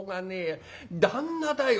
旦那だよ。